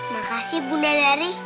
makasih bunda dari